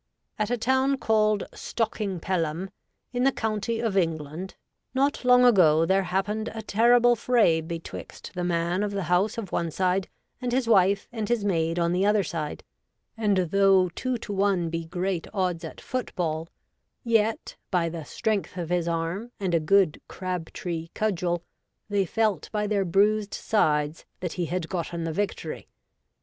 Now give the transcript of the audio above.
'At a town called Stocking Pelham, in the county \sic\ of England, not long ago there happened a terrible fray betwixt the man of the house of one side, and his wife and his maid on the other side, and though two to one be great odds at football, yet, by the strength of his arm, and a good crab tree cudgel, they felt by their bruised sides that he had gotten the victory.